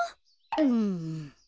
うん。